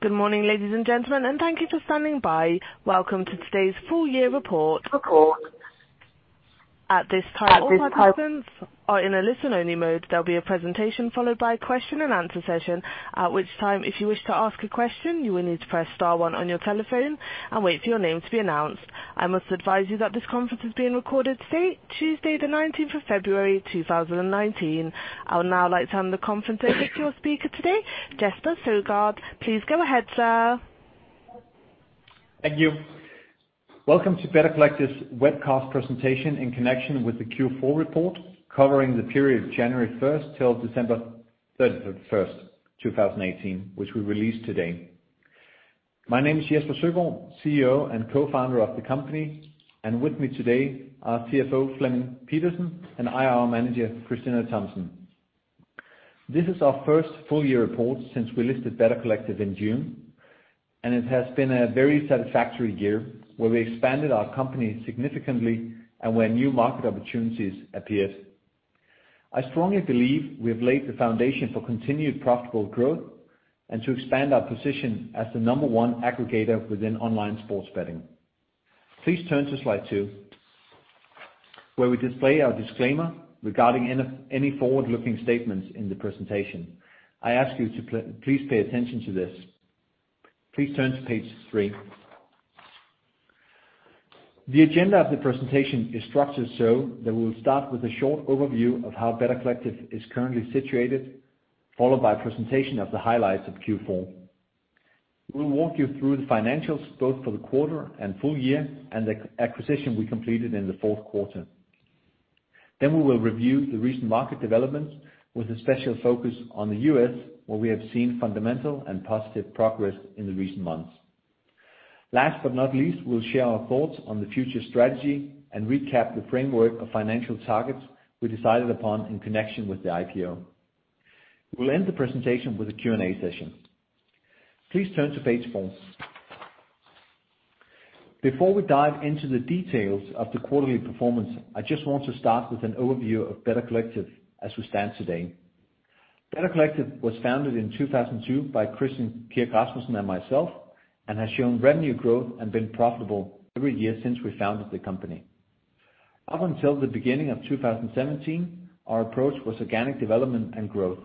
Good morning, ladies and gentlemen, thank you for standing by. Welcome to today's full year report. At this time, all participants are in a listen-only mode. There will be a presentation followed by a question and answer session. At which time, if you wish to ask a question, you will need to press star one on your telephone and wait for your name to be announced. I must advise you that this conference is being recorded, Tuesday the 19th of February, 2019. I would now like to hand the conference over to your speaker today, Jesper Søgaard. Please go ahead, sir. Thank you. Welcome to Better Collective's webcast presentation in connection with the Q4 report, covering the period January 1st till December 31st, 2018, which we released today. My name is Jesper Søgaard, CEO and co-founder of the company. With me today are CFO Flemming Pedersen and IR Manager Christina Bastius Thomsen. This is our first full year report since we listed Better Collective in June. It has been a very satisfactory year where we expanded our company significantly and where new market opportunities appeared. I strongly believe we have laid the foundation for continued profitable growth and to expand our position as the number one aggregator within online sports betting. Please turn to slide two, where we display our disclaimer regarding any forward-looking statements in the presentation. I ask you to please pay attention to this. Please turn to page three. The agenda of the presentation is structured so that we will start with a short overview of how Better Collective is currently situated, followed by a presentation of the highlights of Q4. We will walk you through the financials, both for the quarter and full year, the acquisition we completed in the fourth quarter. We will review the recent market developments with a special focus on the U.S., where we have seen fundamental and positive progress in the recent months. Last but not least, we will share our thoughts on the future strategy and recap the framework of financial targets we decided upon in connection with the IPO. We will end the presentation with a Q&A session. Please turn to page four. Before we dive into the details of the quarterly performance, I just want to start with an overview of Better Collective as we stand today. Better Collective was founded in 2002 by Christian Kirk Rasmussen and myself, has shown revenue growth and been profitable every year since we founded the company. Up until the beginning of 2017, our approach was organic development and growth.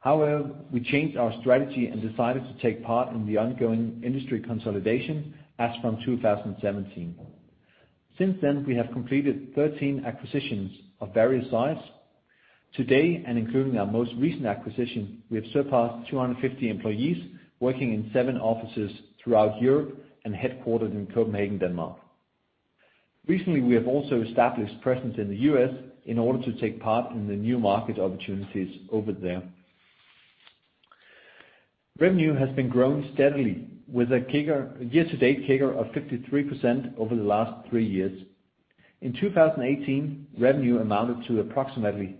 However, we changed our strategy and decided to take part in the ongoing industry consolidation as from 2017. Since then, we have completed 13 acquisitions of various size. Today, including our most recent acquisition, we have surpassed 250 employees working in seven offices throughout Europe and headquartered in Copenhagen, Denmark. Recently, we have also established presence in the U.S. in order to take part in the new market opportunities over there. Revenue has been growing steadily with a year-to-date CAGR of 53% over the last three years. In 2018, revenue amounted to approximately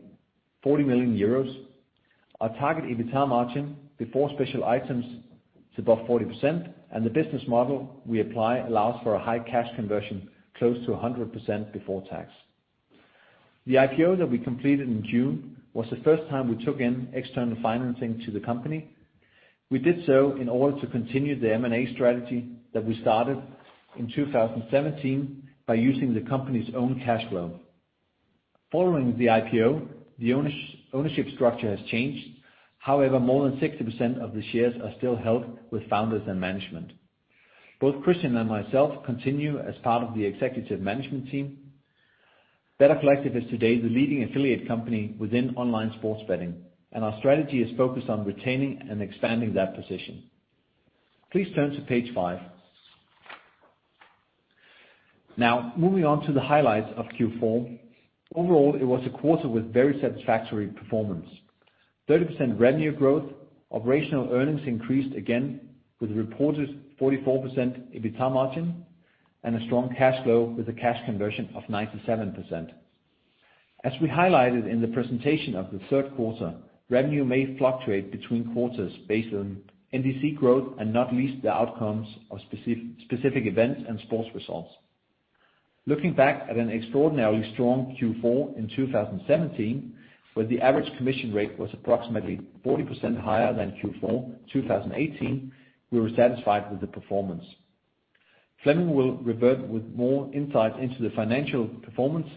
40 million euros. Our target EBITA margin before special items is above 40%, the business model we apply allows for a high cash conversion, close to 100% before tax. The IPO that we completed in June was the first time we took in external financing to the company. We did so in order to continue the M&A strategy that we started in 2017 by using the company's own cash flow. Following the IPO, the ownership structure has changed. However, more than 60% of the shares are still held with founders and management. Both Christian and myself continue as part of the executive management team. Better Collective is today the leading affiliate company within online sports betting, and our strategy is focused on retaining and expanding that position. Please turn to page five. Now, moving on to the highlights of Q4. Overall, it was a quarter with very satisfactory performance. 30% revenue growth. Operational earnings increased again with reported 44% EBITA margin, a strong cash flow with a cash conversion of 97%. As we highlighted in the presentation of the third quarter, revenue may fluctuate between quarters based on NDC growth and not least the outcomes of specific events and sports results. Looking back at an extraordinarily strong Q4 in 2017, where the average commission rate was approximately 40% higher than Q4 2018, we were satisfied with the performance. Flemming will revert with more insight into the financial performance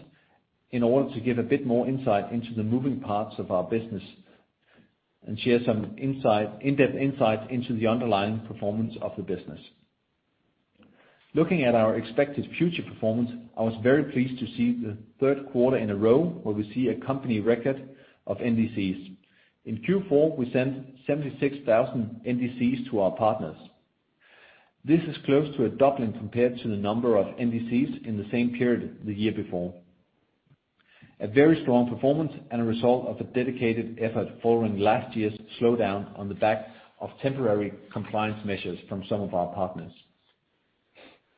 in order to give a bit more insight into the moving parts of our business and share some in-depth insight into the underlying performance of the business. Looking at our expected future performance, I was very pleased to see the third quarter in a row where we see a company record of NDCs. In Q4, we sent 76,000 NDCs to our partners. This is close to a doubling compared to the number of NDCs in the same period the year before. A very strong performance and a result of a dedicated effort following last year's slowdown on the back of temporary compliance measures from some of our partners.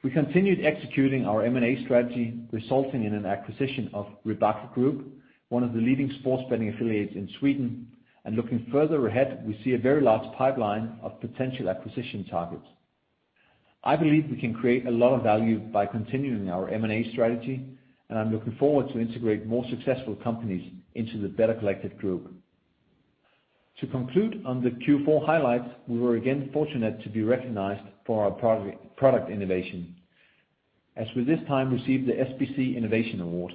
We continued executing our M&A strategy, resulting in an acquisition of Ribacka Group, one of the leading sports betting affiliates in Sweden. Looking further ahead, we see a very large pipeline of potential acquisition targets. I believe we can create a lot of value by continuing our M&A strategy, and I'm looking forward to integrate more successful companies into the Better Collective group. To conclude on the Q4 highlights, we were again fortunate to be recognized for our product innovation, as with this time received the SBC Innovation Award.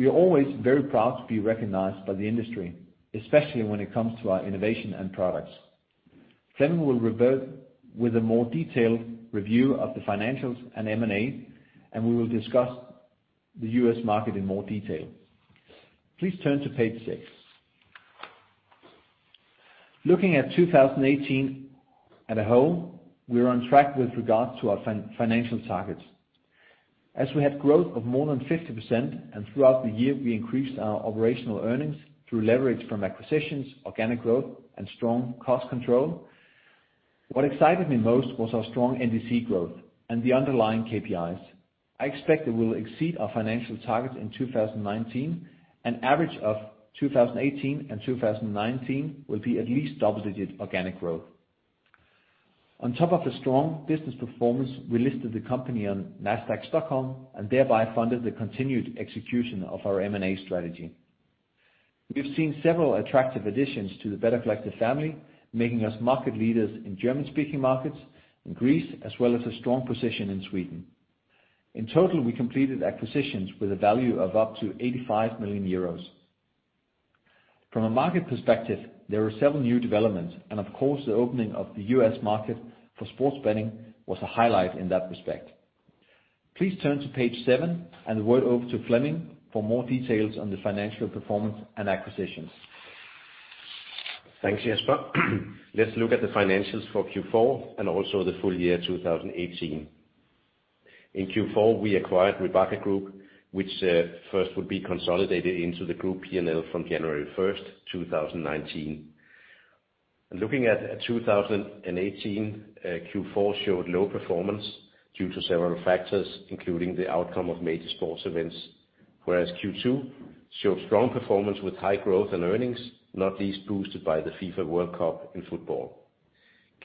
We are always very proud to be recognized by the industry, especially when it comes to our innovation and products. Flemming will revert with a more detailed review of the financials and M&A, we will discuss the U.S. market in more detail. Please turn to page six. Looking at 2018 at a whole, we are on track with regard to our financial targets. As we had growth of more than 50% and throughout the year we increased our operational earnings through leverage from acquisitions, organic growth, and strong cost control. What excited me most was our strong NDC growth and the underlying KPIs. I expect it will exceed our financial targets in 2019. An average of 2018 and 2019 will be at least double-digit organic growth. On top of the strong business performance, we listed the company on Nasdaq Stockholm and thereby funded the continued execution of our M&A strategy. We have seen several attractive additions to the Better Collective family, making us market leaders in German-speaking markets, in Greece, as well as a strong position in Sweden. In total, we completed acquisitions with a value of up to 85 million euros. From a market perspective, there are several new developments and of course, the opening of the U.S. market for sports betting was a highlight in that respect. Please turn to page seven and the word over to Flemming for more details on the financial performance and acquisitions. Thanks, Jesper. Let's look at the financials for Q4 and also the full year 2018. In Q4, we acquired Ribacka Group, which first would be consolidated into the group P&L from January 1st, 2019. Looking at 2018, Q4 showed low performance due to several factors, including the outcome of major sports events, whereas Q2 showed strong performance with high growth and earnings, not least boosted by the FIFA World Cup in football.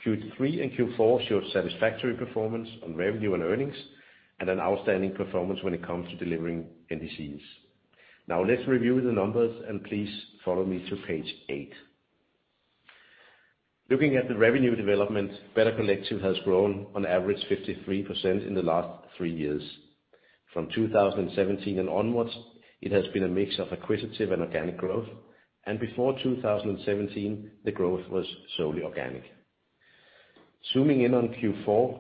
Q3 and Q4 showed satisfactory performance on revenue and earnings and an outstanding performance when it comes to delivering NDCs. Now let's review the numbers and please follow me to page eight. Looking at the revenue development, Better Collective has grown on average 53% in the last three years. From 2017 and onwards, it has been a mix of acquisitive and organic growth, and before 2017, the growth was solely organic. Zooming in on Q4,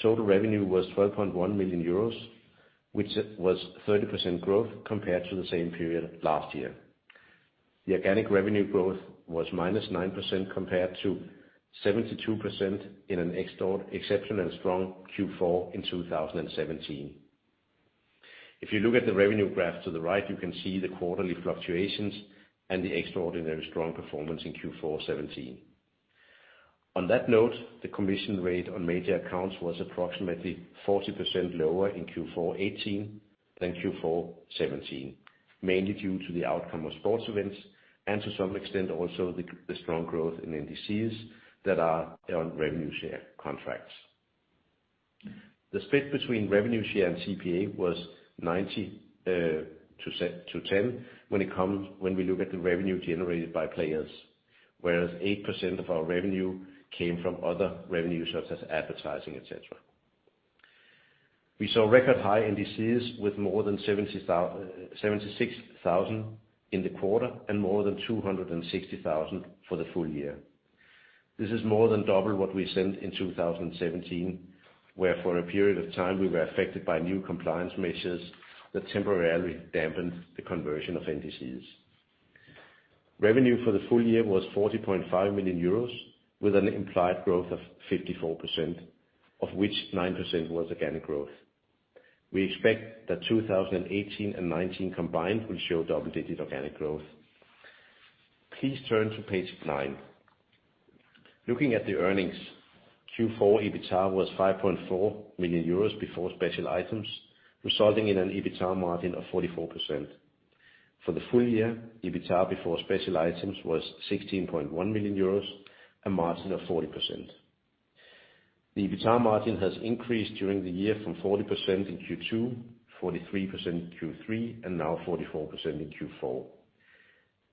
total revenue was 12.1 million euros which was 30% growth compared to the same period last year. The organic revenue growth was -9% compared to 72% in an exceptional strong Q4 in 2017. If you look at the revenue graph to the right, you can see the quarterly fluctuations and the extraordinary strong performance in Q4 2017. On that note, the commission rate on major accounts was approximately 40% lower in Q4 2018 than Q4 2017, mainly due to the outcome of sports events and to some extent also the strong growth in NDCs that are on revenue share contracts. The split between revenue share and CPA was 90 to 10 when we look at the revenue generated by players, whereas 8% of our revenue came from other revenue such as advertising, et cetera. We saw record high NDCs with more than 76,000 in the quarter and more than 260,000 for the full year. This is more than double what we sent in 2017, where for a period of time we were affected by new compliance measures that temporarily dampened the conversion of NDCs. Revenue for the full year was 40.5 million euros with an implied growth of 54%, of which 9% was organic growth. We expect that 2018 and 2019 combined will show double-digit organic growth. Please turn to page nine. Looking at the earnings, Q4 EBITA was 5.4 million euros before special items, resulting in an EBITA margin of 44%. For the full year, EBITA before special items was 16.1 million euros, a margin of 40%. The EBITA margin has increased during the year from 40% in Q2, 43% in Q3, now 44% in Q4.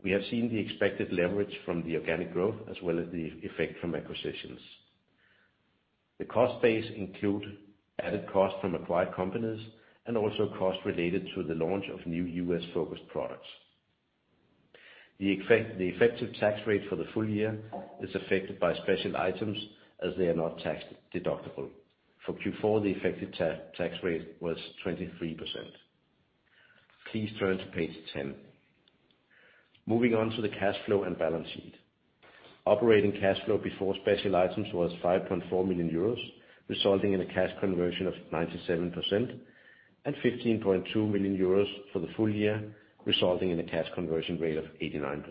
We have seen the expected leverage from the organic growth as well as the effect from acquisitions. The cost base include added cost from acquired companies and also cost related to the launch of new U.S.-focused products. The effective tax rate for the full year is affected by special items as they are not taxed deductible. For Q4, the effective tax rate was 23%. Please turn to page 10. Moving on to the cash flow and balance sheet. Operating cash flow before special items was 5.4 million euros, resulting in a cash conversion of 97% and 15.2 million euros for the full year, resulting in a cash conversion rate of 89%.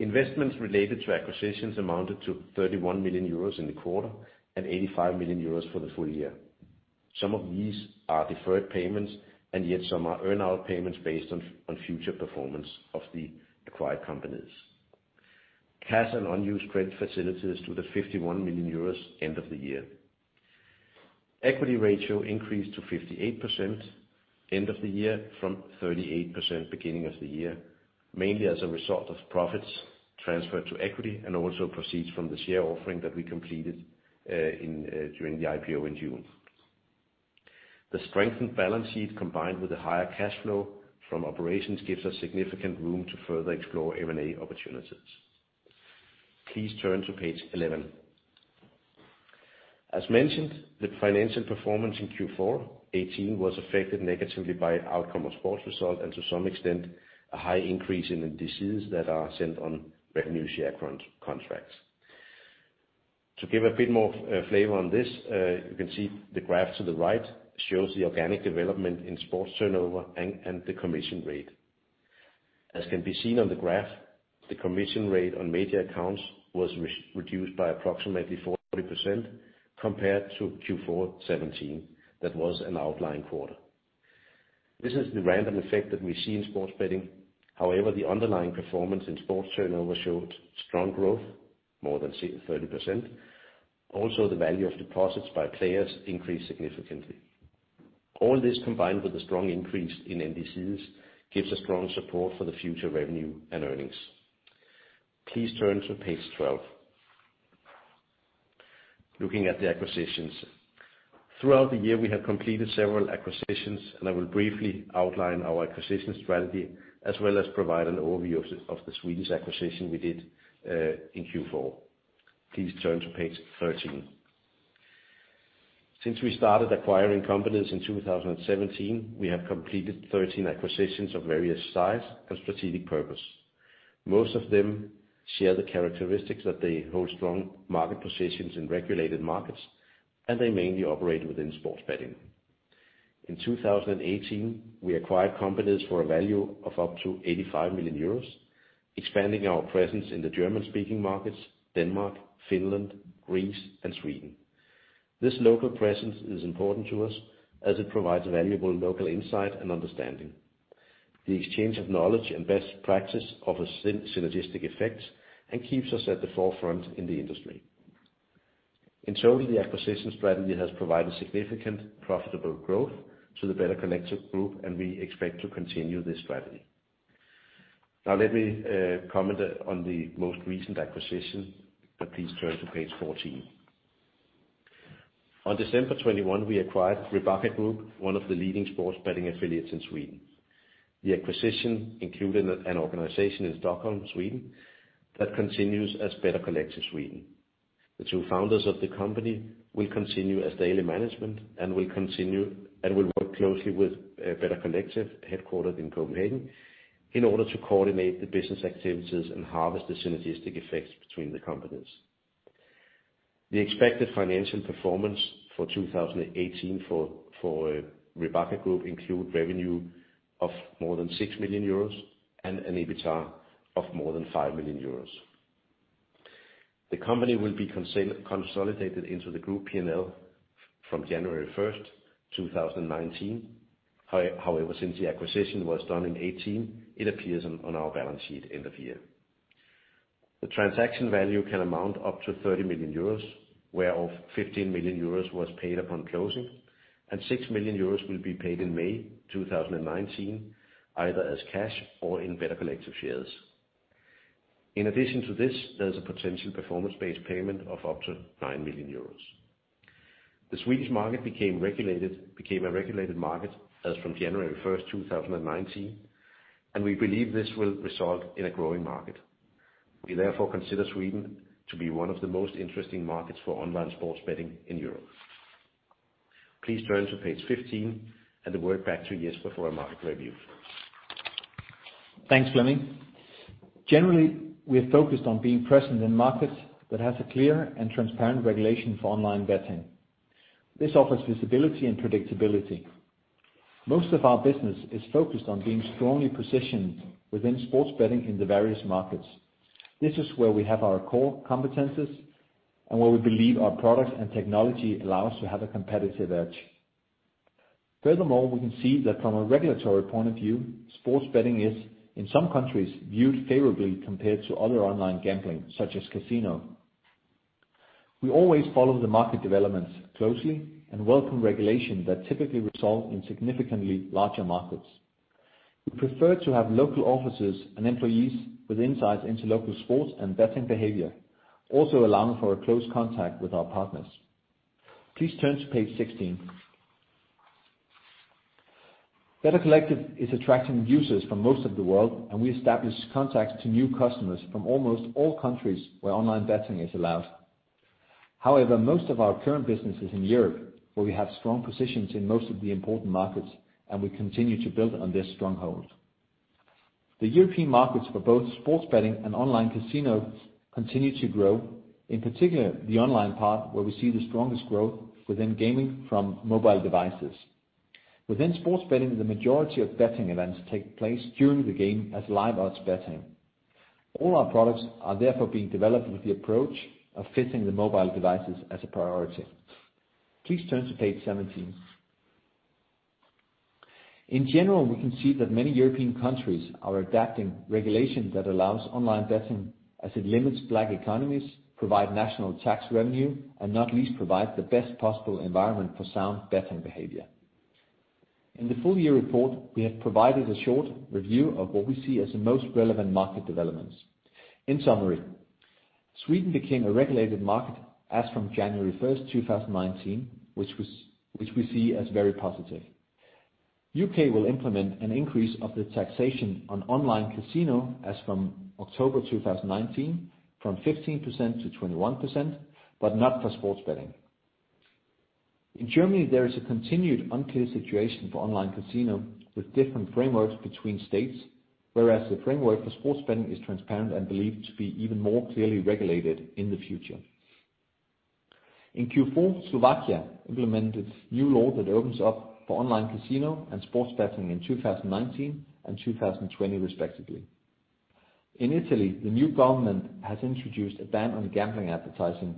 Investments related to acquisitions amounted to 31 million euros in the quarter and 85 million euros for the full year. Some of these are deferred payments, and yet some are earn-out payments based on future performance of the acquired companies. Cash and unused credit facilities to the 51 million euros end of the year. Equity ratio increased to 58% end of the year from 38% beginning of the year, mainly as a result of profits transferred to equity and also proceeds from the share offering that we completed during the IPO in June. The strengthened balance sheet, combined with the higher cash flow from operations, gives us significant room to further explore M&A opportunities. Please turn to page 11. As mentioned, the financial performance in Q4 2018 was affected negatively by outcome of sports result and to some extent, a high increase in NDCs that are sent on revenue share contracts. To give a bit more flavor on this, you can see the graph to the right shows the organic development in sports turnover and the commission rate. As can be seen on the graph, the commission rate on major accounts was reduced by approximately 40% compared to Q4 2017. That was an outlying quarter. This is the random effect that we see in sports betting. However, the underlying performance in sports turnover showed strong growth, more than 30%. Also, the value of deposits by players increased significantly. All this, combined with a strong increase in NDCs, gives a strong support for the future revenue and earnings. Please turn to page 12. Looking at the acquisitions. Throughout the year, we have completed several acquisitions, and I will briefly outline our acquisition strategy, as well as provide an overview of the Swedish acquisition we did in Q4. Please turn to page 13. Since we started acquiring companies in 2017, we have completed 13 acquisitions of various size and strategic purpose. Most of them share the characteristics that they hold strong market positions in regulated markets, and they mainly operate within sports betting. In 2018, we acquired companies for a value of up to 85 million euros, expanding our presence in the German-speaking markets, Denmark, Finland, Greece, and Sweden. This local presence is important to us as it provides valuable local insight and understanding. The exchange of knowledge and best practice offers synergistic effects and keeps us at the forefront in the industry. In total, the acquisition strategy has provided significant profitable growth to the Better Collective Group, and we expect to continue this strategy. Now, let me comment on the most recent acquisition. Please turn to page 14. On December 21, we acquired Ribacka Group, one of the leading sports betting affiliates in Sweden. The acquisition included an organization in Stockholm, Sweden, that continues as Better Collective Sweden. The two founders of the company will continue as daily management and will work closely with Better Collective headquartered in Copenhagen in order to coordinate the business activities and harvest the synergistic effects between the companies. The expected financial performance for 2018 for Ribacka Group include revenue of more than 6 million euros and an EBITA of more than 5 million euros. The company will be consolidated into the group P&L from January 1st, 2019. However, since the acquisition was done in 2018, it appears on our balance sheet end of year. The transaction value can amount up to 30 million euros, where of 15 million euros was paid upon closing, and 6 million euros will be paid in May 2019, either as cash or in Better Collective shares. In addition to this, there is a potential performance-based payment of up to 9 million euros. The Swedish market became a regulated market as from January 1st, 2019. We believe this will result in a growing market. We therefore consider Sweden to be one of the most interesting markets for online sports betting in Europe. Please turn to page 15 and the word back to Jesper for our market review. Thanks, Flemming. Generally, we are focused on being present in markets that have a clear and transparent regulation for online betting. This offers visibility and predictability. Most of our business is focused on being strongly positioned within sports betting in the various markets. This is where we have our core competencies and where we believe our product and technology allow us to have a competitive edge. Furthermore, we can see that from a regulatory point of view, sports betting is, in some countries, viewed favorably compared to other online gambling, such as casino. We always follow the market developments closely and welcome regulation that typically result in significantly larger markets. We prefer to have local offices and employees with insights into local sports and betting behavior, also allowing for a close contact with our partners. Please turn to page 16. Better Collective is attracting users from most of the world. We establish contacts to new customers from almost all countries where online betting is allowed. However, most of our current business is in Europe, where we have strong positions in most of the important markets. We continue to build on this stronghold. The European markets for both sports betting and online casino continue to grow, in particular the online part where we see the strongest growth within gaming from mobile devices. Within sports betting, the majority of betting events take place during the game as live odds betting. All our products are therefore being developed with the approach of fitting the mobile devices as a priority. Please turn to page 17. In general, we can see that many European countries are adapting regulation that allows online betting as it limits black economies, provide national tax revenue, and not least provide the best possible environment for sound betting behavior. In the full-year report, we have provided a short review of what we see as the most relevant market developments. In summary, Sweden became a regulated market as from January 1st, 2019, which we see as very positive. U.K. will implement an increase of the taxation on online casino as from October 2019 from 15% to 21%, but not for sports betting. In Germany, there is a continued unclear situation for online casino with different frameworks between states, whereas the framework for sports betting is transparent and believed to be even more clearly regulated in the future. In Q4, Slovakia implemented new law that opens up for online casino and sports betting in 2019 and 2020 respectively. In Italy, the new government has introduced a ban on gambling advertising.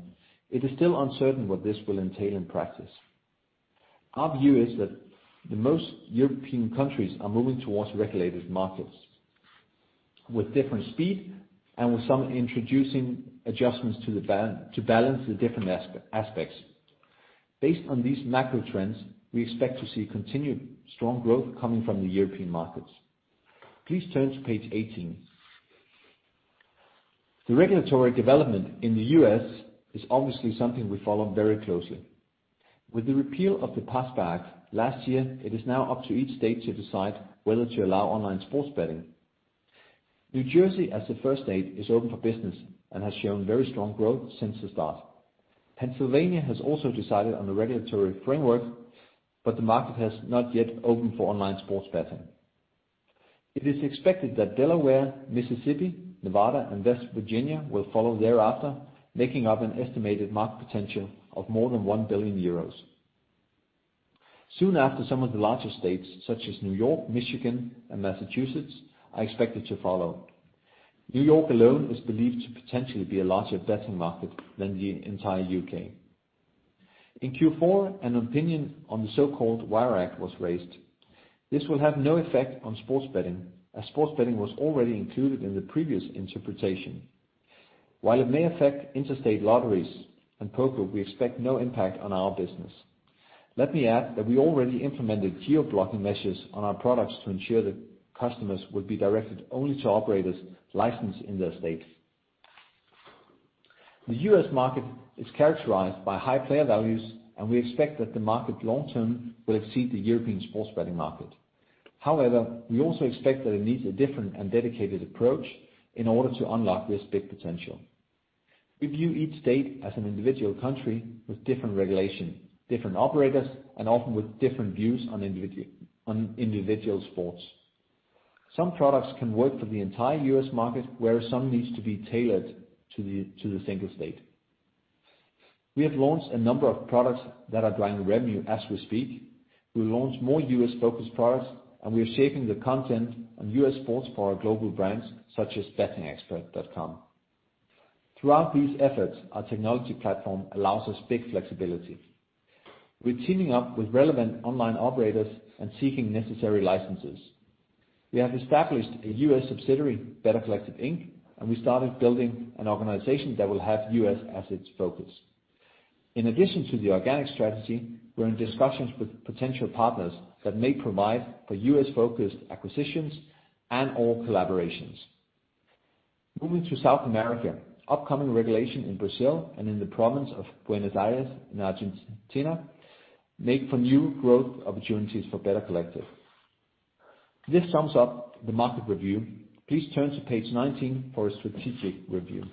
It is still uncertain what this will entail in practice. Our view is that the most European countries are moving towards regulated markets with different speed and with some introducing adjustments to balance the different aspects. Based on these macro trends, we expect to see continued strong growth coming from the European markets. Please turn to page 18. The regulatory development in the U.S. is obviously something we follow very closely. With the repeal of the PASPA Act last year, it is now up to each state to decide whether to allow online sports betting. New Jersey, as a first state, is open for business and has shown very strong growth since the start. Pennsylvania has also decided on the regulatory framework, but the market has not yet opened for online sports betting. It is expected that Delaware, Mississippi, Nevada, and West Virginia will follow thereafter, making up an estimated market potential of more than 1 billion euros. Soon after, some of the larger states such as New York, Michigan, and Massachusetts are expected to follow. New York alone is believed to potentially be a larger betting market than the entire U.K. In Q4, an opinion on the so-called Wire Act was raised. This will have no effect on sports betting, as sports betting was already included in the previous interpretation. While it may affect interstate lotteries and poker, we expect no impact on our business. Let me add that we already implemented geo-blocking measures on our products to ensure that customers would be directed only to operators licensed in their state. The U.S. market is characterized by high player values, and we expect that the market long term will exceed the European sports betting market. However, we also expect that it needs a different and dedicated approach in order to unlock this big potential. We view each state as an individual country with different regulation, different operators, and often with different views on individual sports. Some products can work for the entire U.S. market, where some needs to be tailored to the single state. We have launched a number of products that are driving revenue as we speak. We launch more U.S.-focused products, and we are shaping the content on U.S. sports for our global brands such as bettingexpert.com. Throughout these efforts, our technology platform allows us big flexibility. We're teaming up with relevant online operators and seeking necessary licenses. We have established a U.S. subsidiary, Better Collective, Inc, and we started building an organization that will have U.S. as its focus. In addition to the organic strategy, we're in discussions with potential partners that may provide for U.S.-focused acquisitions and/or collaborations. Moving to South America, upcoming regulation in Brazil and in the province of Buenos Aires in Argentina make for new growth opportunities for Better Collective. This sums up the market review. Please turn to page 19 for a strategic review.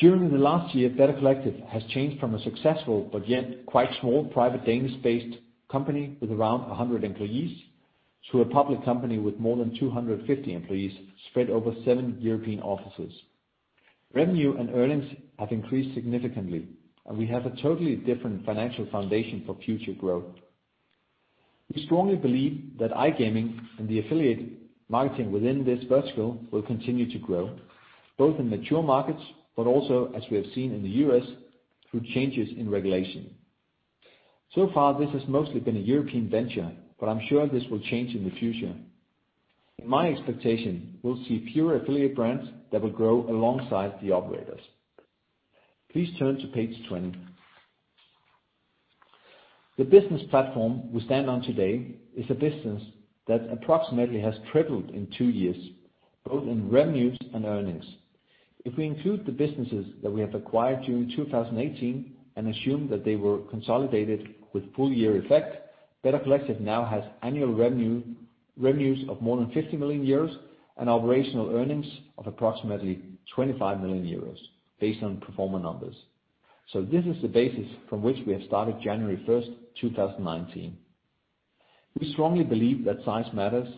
During the last year, Better Collective has changed from a successful but yet quite small private Danish-based company with around 100 employees to a public company with more than 250 employees spread over seven European offices. Revenue and earnings have increased significantly, and we have a totally different financial foundation for future growth. We strongly believe that iGaming and the affiliate marketing within this vertical will continue to grow, both in mature markets, but also as we have seen in the U.S., through changes in regulation. So far, this has mostly been a European venture, I'm sure this will change in the future. In my expectation, we'll see fewer affiliate brands that will grow alongside the operators. Please turn to page 20. The business platform we stand on today is a business that approximately has tripled in two years, both in revenues and earnings. If we include the businesses that we have acquired during 2018 and assume that they were consolidated with full-year effect, Better Collective now has annual revenues of more than 50 million euros and operational earnings of approximately 25 million euros based on pro forma numbers. This is the basis from which we have started January 1, 2019. We strongly believe that size matters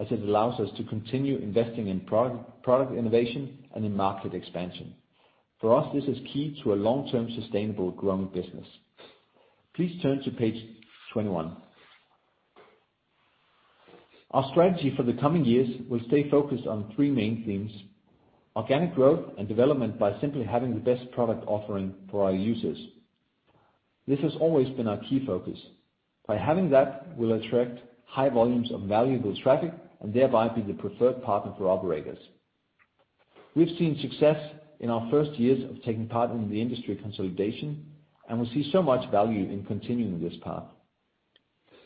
as it allows us to continue investing in product innovation and in market expansion. For us, this is key to a long-term sustainable growing business. Please turn to page 21. Our strategy for the coming years will stay focused on three main themes, organic growth and development by simply having the best product offering for our users. This has always been our key focus. By having that, we'll attract high volumes of valuable traffic and thereby be the preferred partner for operators. We've seen success in our first years of taking part in the industry consolidation, and we see so much value in continuing this path.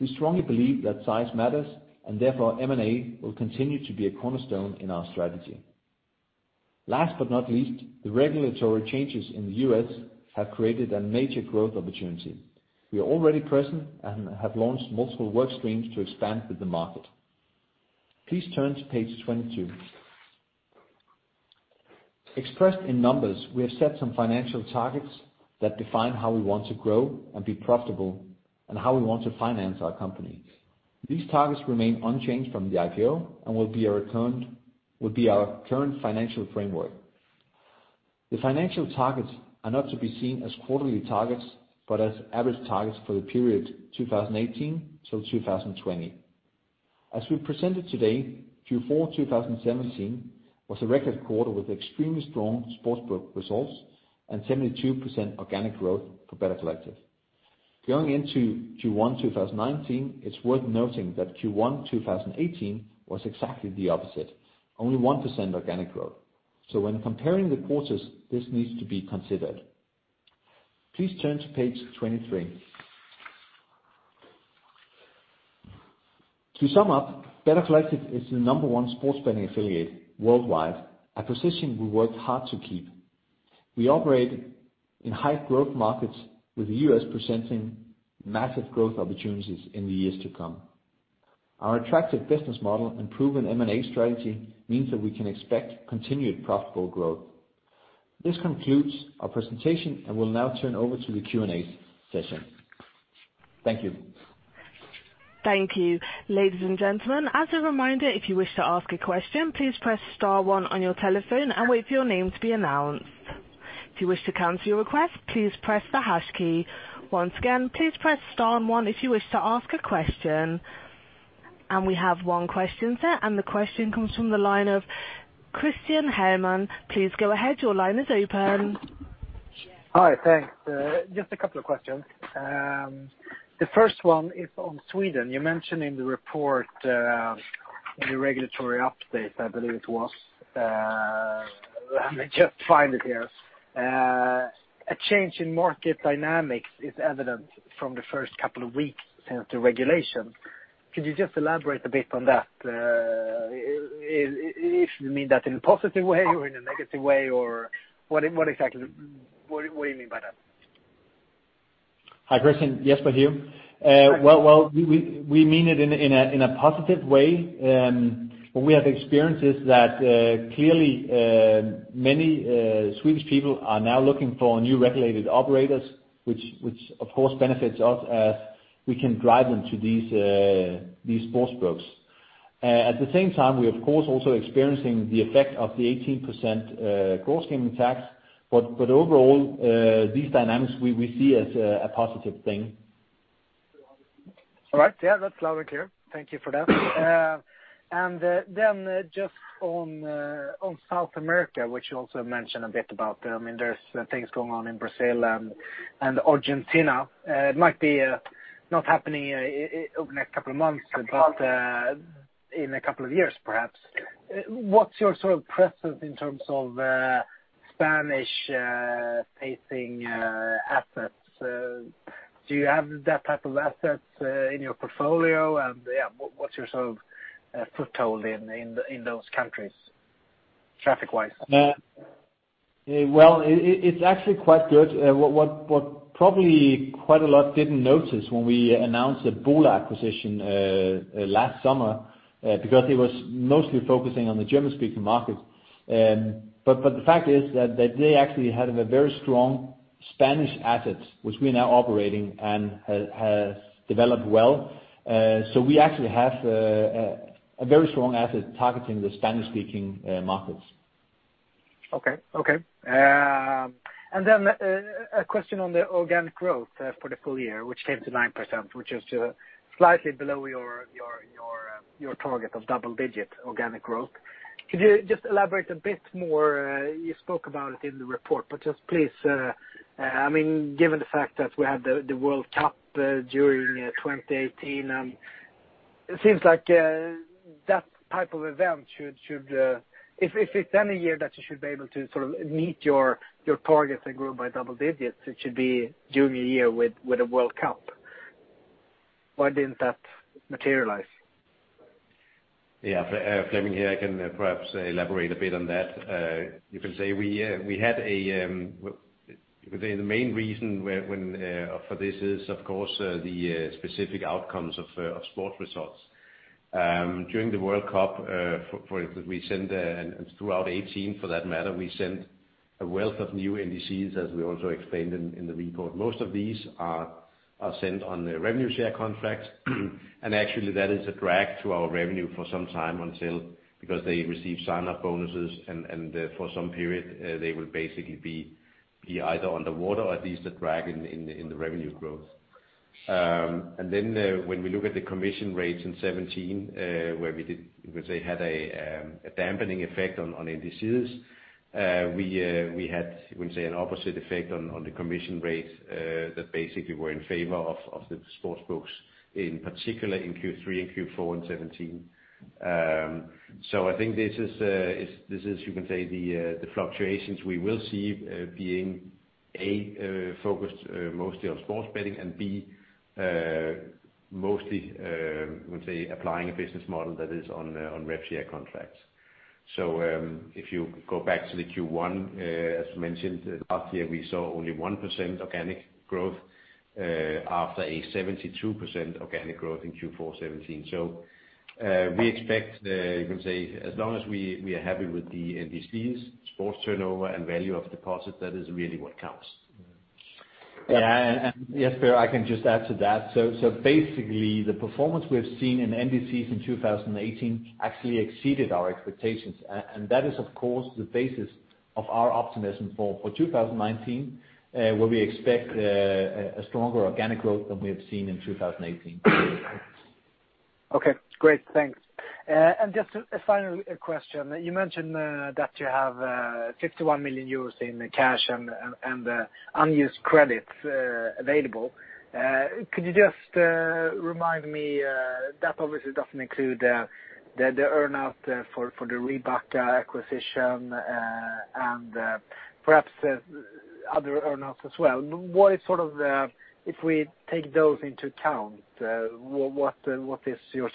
We strongly believe that size matters and therefore M&A will continue to be a cornerstone in our strategy. Last but not least, the regulatory changes in the U.S. have created a major growth opportunity. We are already present and have launched multiple work streams to expand with the market. Please turn to page 22. Expressed in numbers, we have set some financial targets that define how we want to grow and be profitable, and how we want to finance our company. These targets remain unchanged from the IPO and will be our current financial framework. The financial targets are not to be seen as quarterly targets, but as average targets for the period 2018-2020. As we presented today, Q4 2017 was a record quarter with extremely strong sportsbook results and 72% organic growth for Better Collective. Going into Q1 2019, it's worth noting that Q1 2018 was exactly the opposite. Only 1% organic growth. When comparing the quarters, this needs to be considered. Please turn to page 23. To sum up, Better Collective is the number one sports betting affiliate worldwide, a position we worked hard to keep. We operate in high growth markets with the U.S. presenting massive growth opportunities in the years to come. Our attractive business model and proven M&A strategy means that we can expect continued profitable growth. This concludes our presentation, and we will now turn over to the Q&A session. Thank you. Thank you. Ladies and gentlemen, as a reminder, if you wish to ask a question, please press star one on your telephone and wait for your name to be announced. If you wish to cancel your request, please press the hash key. Once again, please press star one if you wish to ask a question. We have one question, sir. The question comes from the line of Christian Heermann. Please go ahead. Your line is open. Hi. Thanks. Just a couple of questions. The first one is on Sweden. You mentioned in the report, in the regulatory update, I believe it was. Let me just find it here. A change in market dynamics is evident from the first couple of weeks since the regulation. Could you just elaborate a bit on that? If you mean that in a positive way or in a negative way, or what do you mean by that? Hi, Christian. Jesper here. Well, we mean it in a positive way. What we have experienced is that clearly, many Swedish people are now looking for new regulated operators, which of course benefits us as we can drive them to these sportsbooks. At the same time, we are of course also experiencing the effect of the 18% gross gaming tax. But overall, these dynamics we see as a positive thing. All right. Yeah, that's loud and clear. Thank you for that. Just on South America, which you also mentioned a bit about. There's things going on in Brazil and Argentina. It might be not happening over the next couple of months, but in a couple of years perhaps. What's your presence in terms of Spanish-facing assets? Do you have that type of assets in your portfolio, and what's your foothold in those countries traffic-wise? Well, it's actually quite good. What probably quite a lot didn't notice when we announced the Bola acquisition last summer, because it was mostly focusing on the German-speaking markets. The fact is that they actually had a very strong Spanish asset, which we are now operating and has developed well. We actually have a very strong asset targeting the Spanish-speaking markets. Okay. A question on the organic growth for the full year, which came to 9%, which is slightly below your target of double-digit organic growth. Could you just elaborate a bit more? You spoke about it in the report, just please, given the fact that we had the World Cup during 2018, it seems like that type of event should If it's any year that you should be able to meet your targets and grow by double digits, it should be during a year with a World Cup. Why didn't that materialize? Yeah. Flemming here. I can perhaps elaborate a bit on that. You can say the main reason for this is, of course, the specific outcomes of sports results. During the World Cup, for instance, we sent, and throughout 2018 for that matter, we sent a wealth of new NDCs, as we also explained in the report. Most of these are sent on the revenue share contracts, actually that is a drag to our revenue for some time until, because they receive sign-up bonuses and for some period, they will basically be either underwater or at least a drag in the revenue growth. When we look at the commission rates in 2017, where we did, you could say, had a dampening effect on NDCs. We had, you can say, an opposite effect on the commission rates that basically were in favor of the sports books, in particular in Q3 and Q4 in 2017. I think this is, you can say, the fluctuations we will see being, A, focused mostly on sports betting, and B, mostly, I would say, applying a business model that is on rev share contracts. If you go back to the Q1, as mentioned, last year, we saw only 1% organic growth after a 72% organic growth in Q4 2017. We expect, you can say, as long as we are happy with the NDCs, sports turnover, and value of deposits, that is really what counts. Yeah. Jesper, I can just add to that. Basically, the performance we have seen in NDCs in 2018 actually exceeded our expectations. That is, of course, the basis of our optimism for 2019, where we expect a stronger organic growth than we have seen in 2018. Okay, great. Thanks. Just a final question. You mentioned that you have 51 million euros in cash and unused credits available. Could you just remind me, that obviously doesn't include the earn-out for the Ribacka acquisition, and perhaps other earn-outs as well. If we take those into account, what is your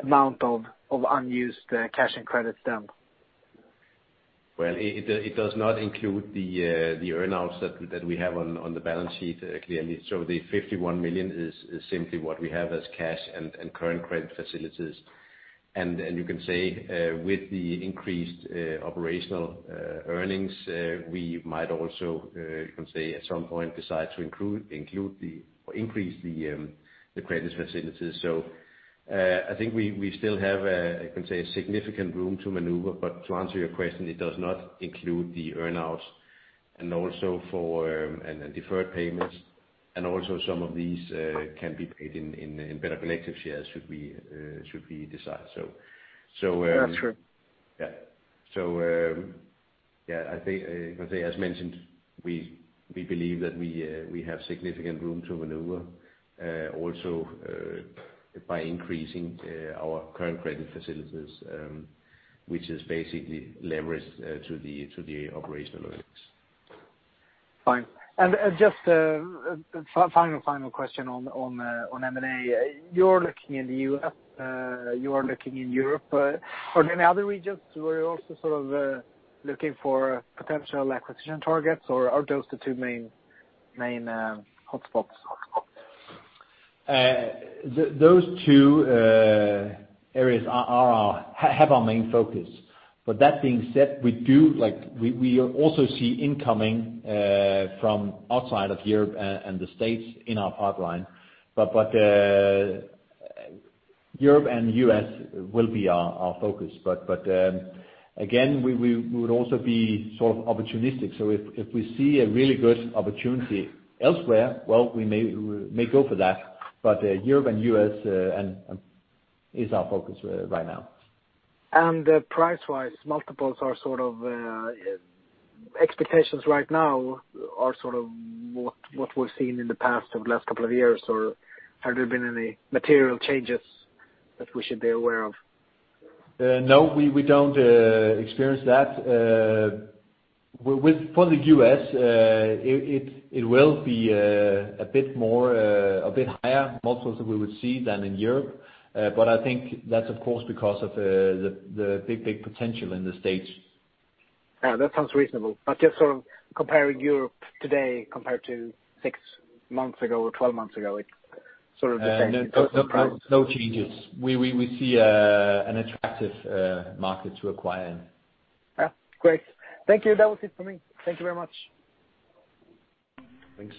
amount of unused cash and credits then? It does not include the earn-outs that we have on the balance sheet, clearly. The 51 million is simply what we have as cash and current credit facilities. You can say, with the increased operational earnings, we might also, you can say, at some point decide to increase the credit facilities. I think we still have, you can say, significant room to maneuver, but to answer your question, it does not include the earn-outs and deferred payments, and also some of these can be paid in Better Collective shares should we decide so. That's true. Yeah. I think, as mentioned, we believe that we have significant room to maneuver. Also by increasing our current credit facilities, which is basically leverage to the operational earnings. Fine. Just a final question on M&A. You're looking in the U.S., you are looking in Europe. Are there any other regions where you're also looking for potential acquisition targets, or are those the two main hotspots? Those two areas have our main focus. That being said, we also see incoming from outside of Europe and the States in our pipeline. Europe and U.S. will be our focus. Again, we would also be opportunistic. If we see a really good opportunity elsewhere, well, we may go for that, but Europe and U.S. is our focus right now. Price-wise, multiples are sort of expectations right now are sort of what we've seen in the past or the last couple of years, or have there been any material changes that we should be aware of? No, we don't experience that. For the U.S., it will be a bit higher multiples that we would see than in Europe. I think that's of course, because of the big potential in the States. Yeah, that sounds reasonable. Just comparing Europe today compared to six months ago or 12 months ago, sort of the change in price. No changes. We see an attractive market to acquire in. Yeah, great. Thank you. That was it for me. Thank you very much. Thanks.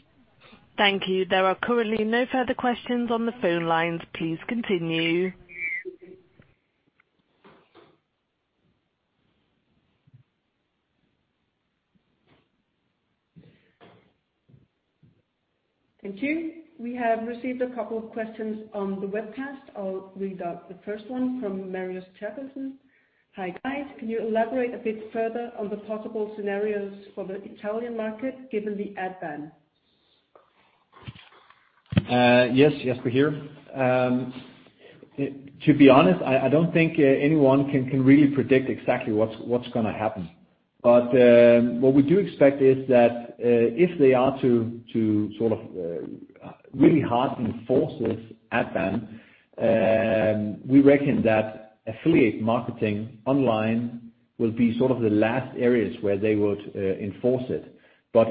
Thank you. There are currently no further questions on the phone lines. Please continue. Thank you. We have received a couple of questions on the webcast. I'll read out the first one from Marius Chadelson. "Hi, guys. Can you elaborate a bit further on the possible scenarios for the Italian market given the ad ban? Yes, Jesper here. To be honest, I don't think anyone can really predict exactly what's going to happen. What we do expect is that if they are to really harden enforce this ad ban, we reckon that affiliate marketing online will be the last areas where they would enforce it.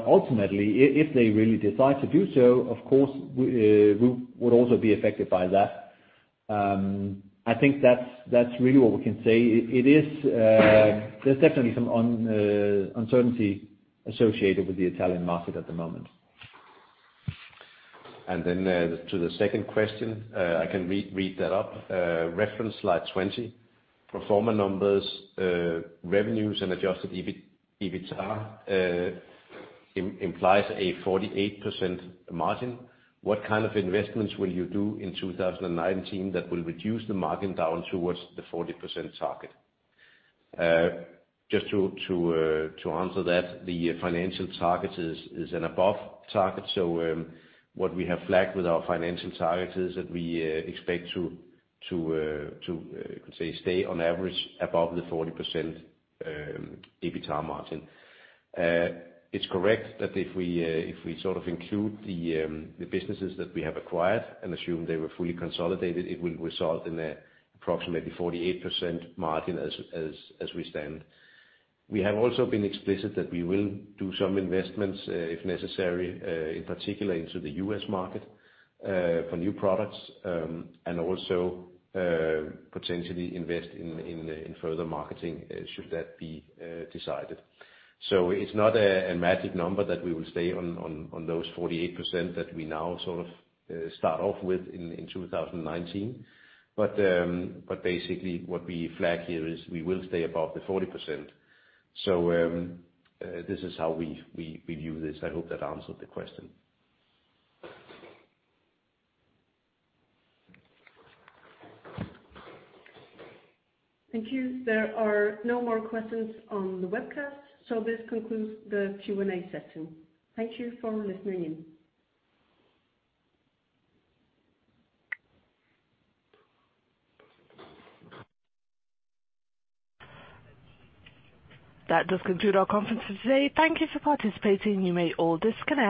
Ultimately, if they really decide to do so, of course, we would also be affected by that. I think that's really what we can say. There's definitely some uncertainty associated with the Italian market at the moment. To the second question, I can read that up. Reference slide 20, pro forma numbers, revenues, and adjusted EBITA implies a 48% margin. What kind of investments will you do in 2019 that will reduce the margin down towards the 40% target? Just to answer that, the financial target is an above target. What we have flagged with our financial target is that we expect to, you could say, stay on average above the 40% EBITA margin. It's correct that if we include the businesses that we have acquired and assume they were fully consolidated, it will result in approximately 48% margin as we stand. We have also been explicit that we will do some investments, if necessary, in particular into the U.S. market, for new products, and also potentially invest in further marketing should that be decided. It's not a magic number that we will stay on those 48% that we now start off with in 2019. Basically what we flag here is we will stay above the 40%. This is how we view this. I hope that answered the question. Thank you. There are no more questions on the webcast, this concludes the Q&A session. Thank you for listening in. That does conclude our conference for today. Thank you for participating. You may all disconnect.